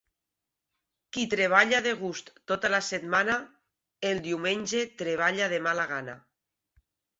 Qui treballa de gust tota la setmana, el diumenge treballa de mala gana.